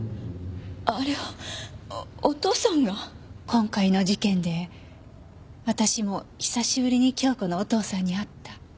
今回の事件で私も久しぶりに京子のお父さんに会った。